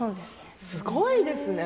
すごいですね。